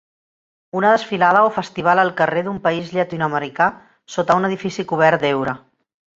Una desfilada o festival al carrer d'un país llatinoamericà sota un edifici cobert d'heura